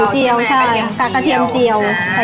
จากหูเจียวใช่